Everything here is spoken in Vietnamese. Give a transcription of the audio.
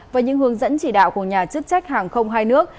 và những hướng dẫn chỉ đạo của nhà chức trách hàng không hai nước